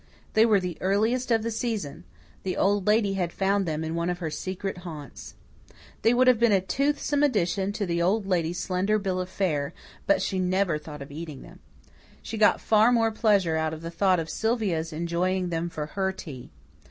They were the earliest of the season; the Old Lady had found them in one of her secret haunts. They would have been a toothsome addition to the Old Lady's own slender bill of fare; but she never thought of eating them. She got far more pleasure out of the thought of Sylvia's enjoying them for her tea.